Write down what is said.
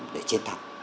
để chiến thắng